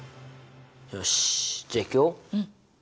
よしじゃあいくよ！